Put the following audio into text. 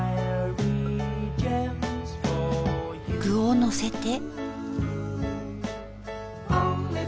具をのせて。